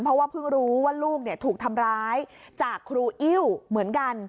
เพราะว่าเพิ่งรู้ว่าลูกถูกทำร้ายจากครูอิ้วเหมือนกัน